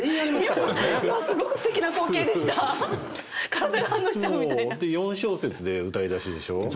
もう４小節で歌いだしでしょ？